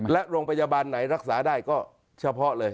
และโรงพยาบาลไหนรักษาได้ก็เฉพาะเลย